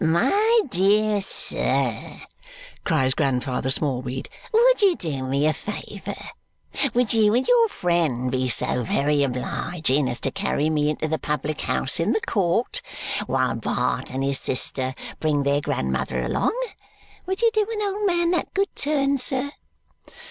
"My dear sir," cries Grandfather Smallweed, "would you do me a favour? Would you and your friend be so very obleeging as to carry me into the public house in the court, while Bart and his sister bring their grandmother along? Would you do an old man that good turn, sir?"